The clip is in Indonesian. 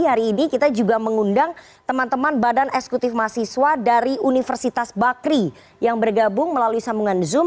hari ini kita juga mengundang teman teman badan eksekutif mahasiswa dari universitas bakri yang bergabung melalui sambungan zoom